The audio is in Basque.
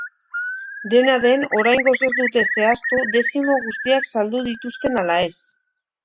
Dena den, oraingoz ez dute zehaztu dezimo guztiak saldu dituzten ala ez.